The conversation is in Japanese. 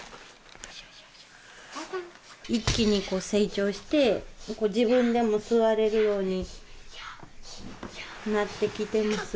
一気にこう成長して自分でも座れるようになってきてますき。